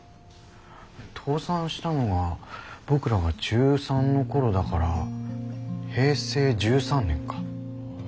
倒産したのは僕らが中３の頃だから平成１３年か。